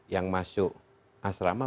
yang masuk asrama